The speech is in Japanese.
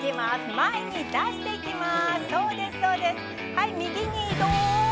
前に出していきます、